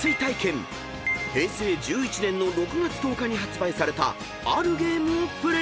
［平成１１年の６月１０日に発売されたあるゲームをプレー］